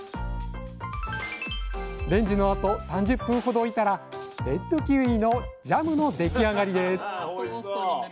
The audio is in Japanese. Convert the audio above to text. レンジのあと３０分ほど置いたらレッドキウイのジャムの出来上がりです。